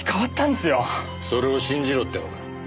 それを信じろってのか。